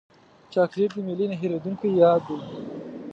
چاکلېټ د میلې نه هېرېدونکی یاد دی.